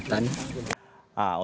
apa yang terjadi